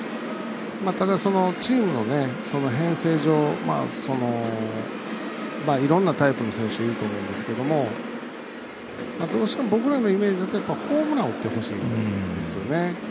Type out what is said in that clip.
ただ、チームの編成上いろんなタイプの選手いると思うんですけどもどうしても僕のイメージだとホームランを打ってほしいんですよね。